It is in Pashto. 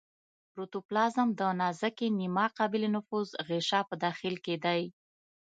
پروتوپلازم د نازکې نیمه قابل نفوذ غشا په داخل کې دی.